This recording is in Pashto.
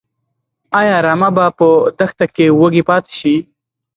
ايا رمه به په دښته کې وږي پاتې شي؟